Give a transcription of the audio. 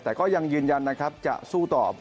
แต่ก็ยังยืนยันนะครับจะสู้ต่อ